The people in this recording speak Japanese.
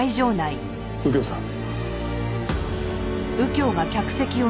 右京さん。